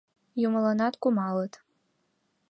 Юмыланат кумалыт.